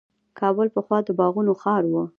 کابل پخوا د باغونو ښار و.